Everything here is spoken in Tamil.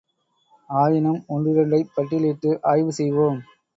ஆயினும் ஒன்றிரண்டைப் பட்டியலிட்டு ஆய்வு செய்வோம்.